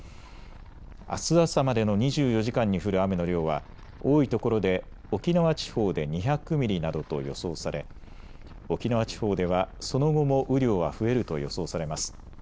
あす朝までの２４時間に降る雨の量は多いところで沖縄地方で２００ミリなどと予想され、沖縄地方ではその後も雨量は増えると予想されます。